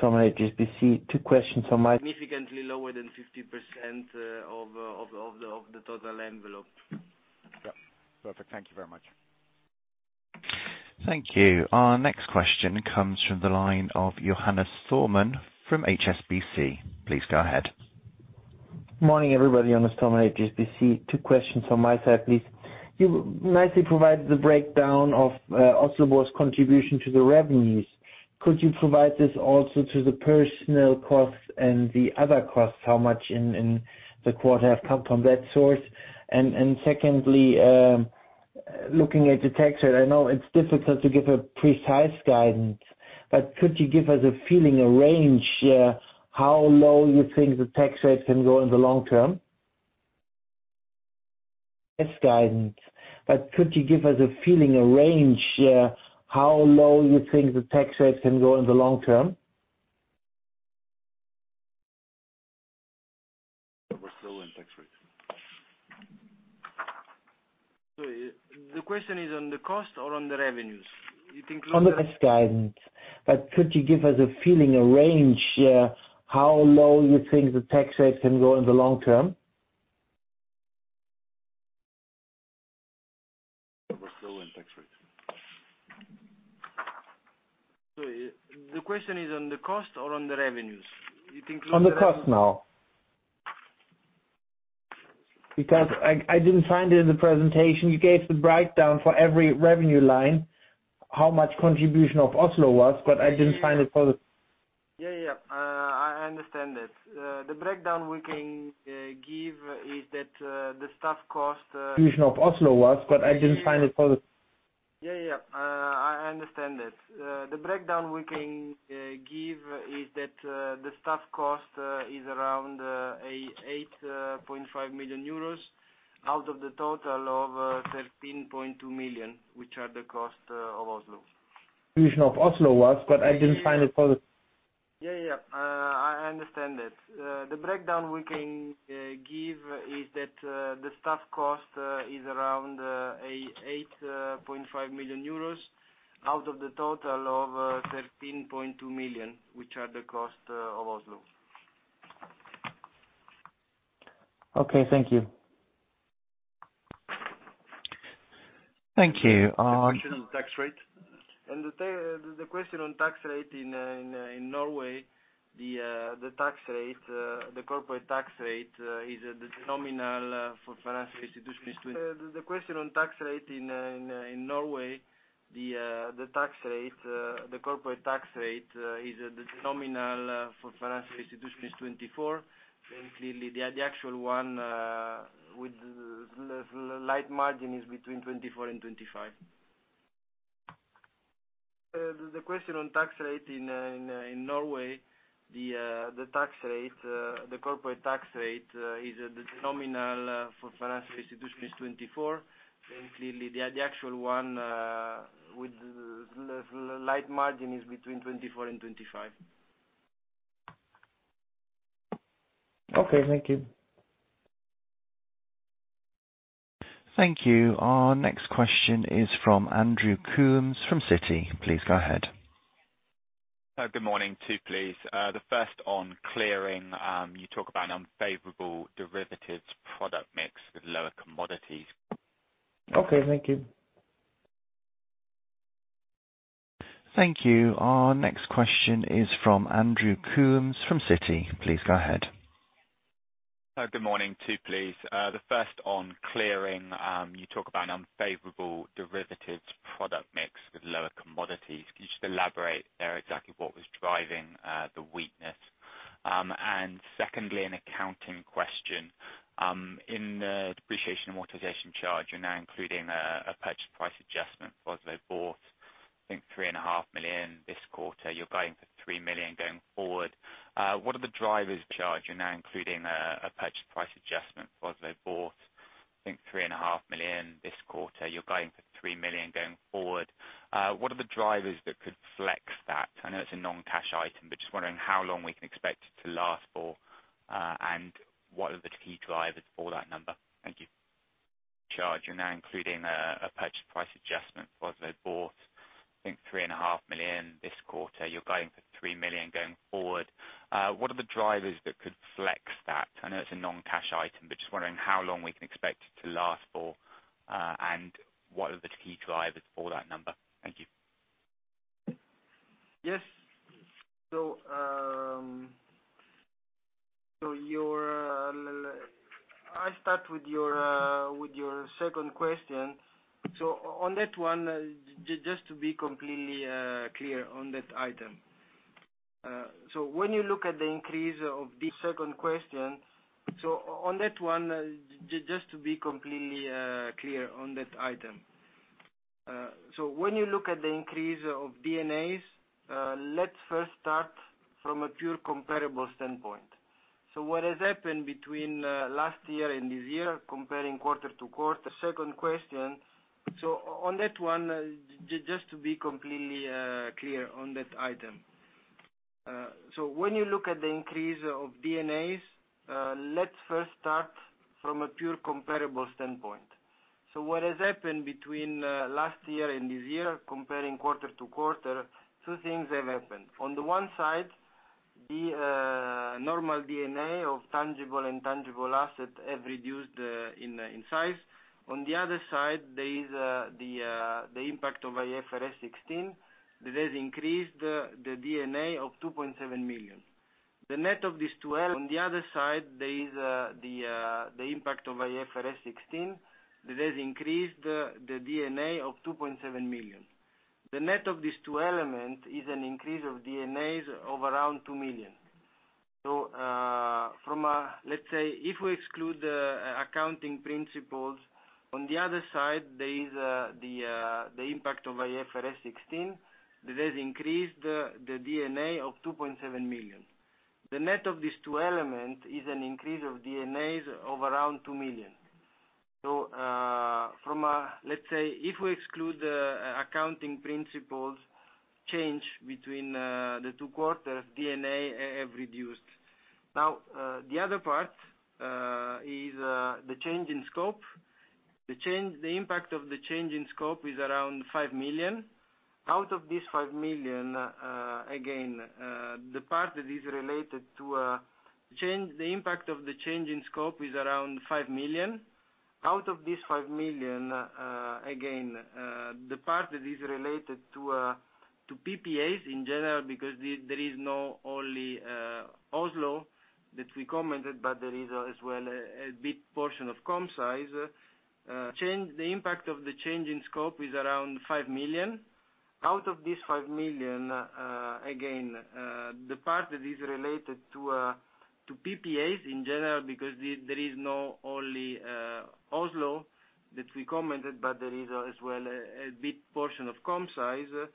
Thormann, HSBC. Two questions on my side, please. You nicely provided the breakdown of Oslo's contribution to the revenues. Could you provide this also to the personnel costs and the other costs, how much in the quarter have come from that source? Secondly, looking at the tax rate, I know it's difficult to give a precise guidance, but could you give us a feeling, a range here, how low you think the tax rate can go in the long term? We're still in tax rates. The question is on the cost or on the revenues? On the cost now. Because I didn't find it in the presentation. You gave the breakdown for every revenue line, how much contribution of Oslo was, but I didn't find it for the. Yeah. I understand it. The breakdown we can give is that the staff cost is around 8.5 million euros out of the total of 13.2 million, which are the cost of Oslo. Okay, thank you. Thank you. The question on tax rate in Norway, the corporate tax rate is the nominal for financial institution is 24%, and clearly, the actual one with light margin is between 24% and 25%. Okay, thank you. Thank you. Our next question is from Andrew Coombs from Citi. Please go ahead. Good morning to you, please. The first on clearing. You talk about an unfavorable derivatives product mix with lower commodities. Can you just elaborate there exactly what was driving the weakness? Secondly, an accounting question. In the depreciation amortization charge, you're now including a purchase price adjustment. Oslo Børs bought, I think, 3.5 million this quarter. You're guiding for 3 million going forward. What are the drivers that could flex that? I know it's a non-cash item, but just wondering how long we can expect it to last for, and what are the key drivers for that number? Thank you. Yes. I start with your second question. On that one, just to be completely clear on that item. When you look at the increase of D&As, let's first start from a pure comparable standpoint. What has happened between last year and this year, comparing quarter-to-quarter, two things have happened. On the one side, the normal D&A of tangible and intangible assets have reduced in size. On the other side, there is the impact of IFRS 16 that has increased the D&A of 2.7 million. The net of these two elements is an increase of D&A of around EUR 2 million. Let's say, if we exclude accounting principles, change between the two quarters, D&A have reduced. Now, the other part is the change in scope. The impact of the change in scope is around 5 million. Out of this EUR 5 million, again, the part that is related to PPAs in general, because there is not only Oslo that we commented, but there is as well a big portion of Commcise.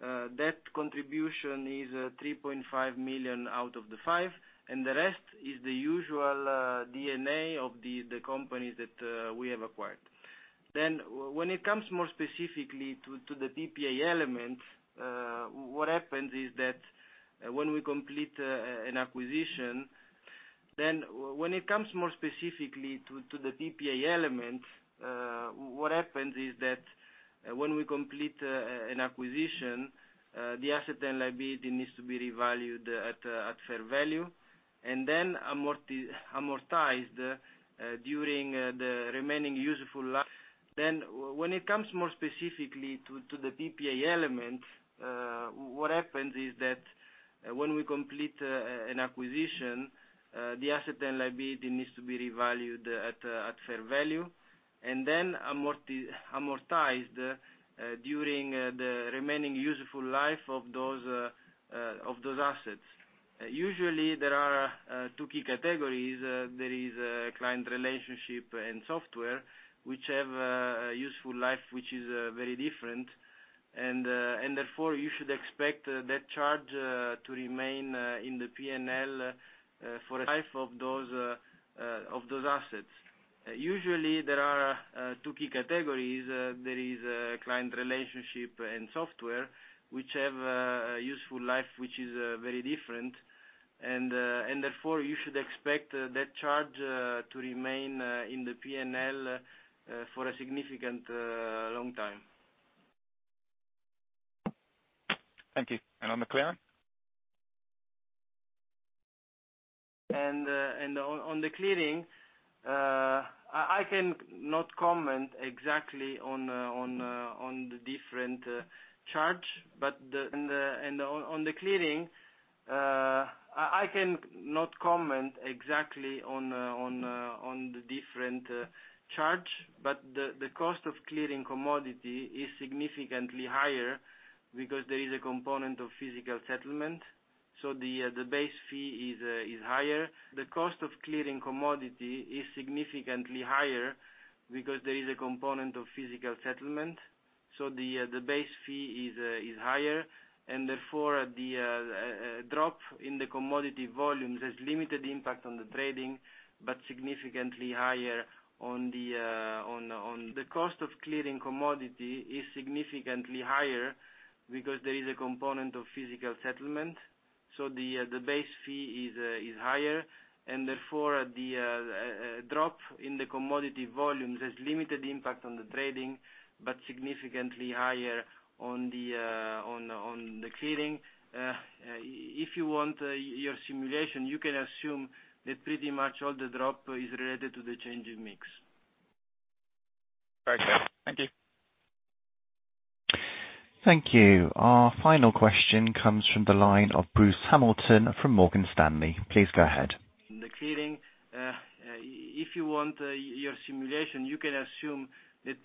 That contribution is 3.5 million out of the 5 million, and the rest is the usual D&A of the companies that we have acquired. When it comes more specifically to the PPA element, what happens is that when we complete an acquisition, the asset and liability needs to be revalued at fair value, and then amortized during the remaining useful life of those assets. Usually, there are two key categories. There is a client relationship and software, which have a useful life which is very different. Therefore, you should expect that charge to remain in the P&L for a significant long time. Thank you. On the clearing? On the clearing, I cannot comment exactly on the different charge, but the cost of clearing commodity is significantly higher because there is a component of physical settlement. The base fee is higher, and therefore, the drop in the commodity volumes has limited impact on the trading, but significantly higher on the clearing. If you want your simulation, you can assume that pretty much all the drop is related to the change in mix. Perfect. Thank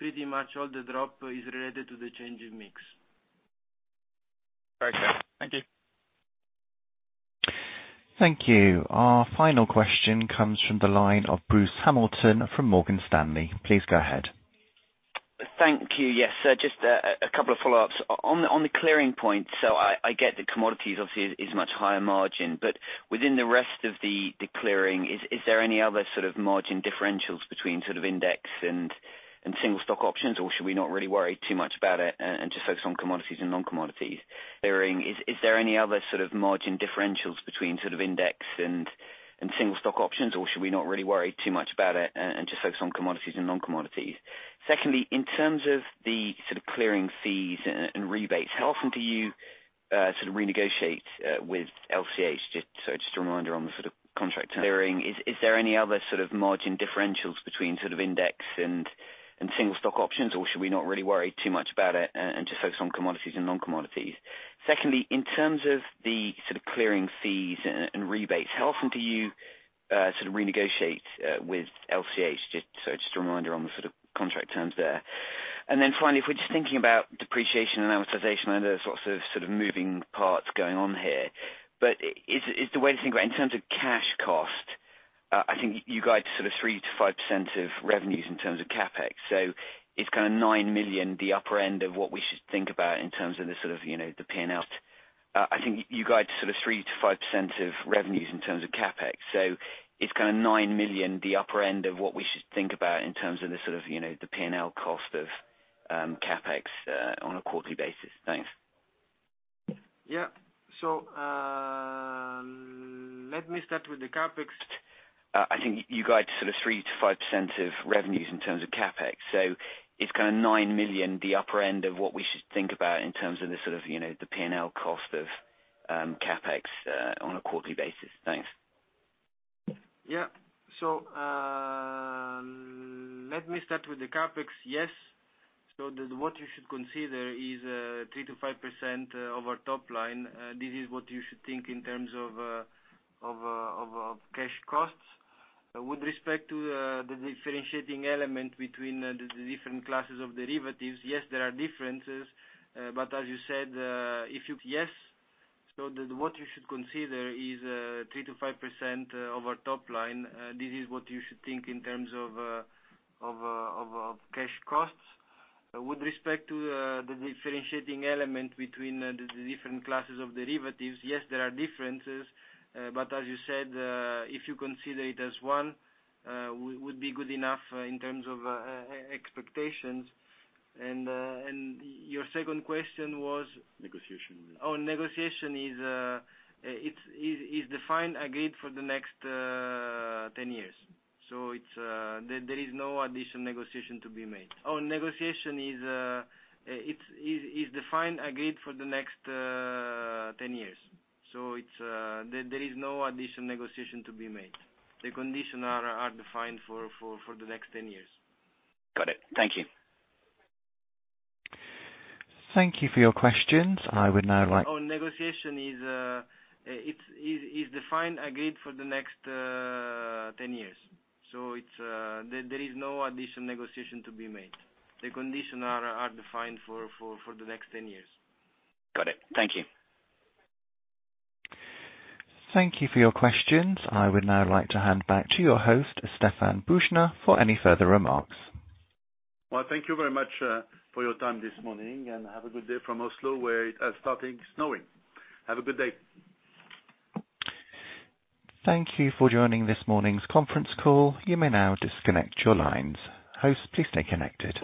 you. Thank you. Our final question comes from the line of Bruce Hamilton from Morgan Stanley. Please go ahead. Thank you. Yes, just a couple of follow-ups. On the clearing point, I get that commodities obviously is much higher margin, but within the rest of the clearing, is there any other sort of margin differentials between index and single-stock options? Or should we not really worry too much about it and just focus on commodities and non-commodities? Secondly, in terms of the sort of clearing fees and rebates, how often do you sort of renegotiate with LCH? Just a reminder on the sort of contract terms there. Finally, if we're just thinking about depreciation and amortization, I know there's lots of sort of moving parts going on here, but is the way to think about it, in terms of cash cost, I think you guide sort of 3%-5% of revenues in terms of CapEx. Is kind of 9 million the upper end of what we should think about in terms of the sort of the P&L cost of CapEx on a quarterly basis? Thanks. Let me start with the CapEx. What you should consider is 3%-5% of our top line. This is what you should think in terms of cash costs. With respect to the differentiating element between the different classes of derivatives, yes, there are differences, but as you said, if you consider it as one, would be good enough in terms of expectations. Your second question was. Negotiation. Negotiation is defined, agreed for the next 10 years. There is no additional negotiation to be made. The conditions are defined for the next 10 years. Got it. Thank you. Thank you for your questions. I would now like to hand back to your host, Stéphane Boujnah, for any further remarks. Well, thank you very much for your time this morning, and have a good day from Oslo, where it has starting snowing. Have a good day. Thank you for joining this morning's conference call. You may now disconnect your lines. Hosts, please stay connected.